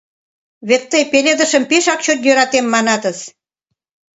— Вет тый пеледышым пешак чот йӧратем, манатыс.